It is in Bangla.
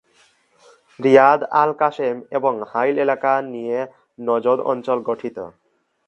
রিয়াদ, আল কাশেম এবং হাইল এলাকা নিয়ে নজদ অঞ্চল গঠিত।